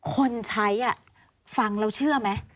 คนใช้ฟังแล้วเชื่อไหม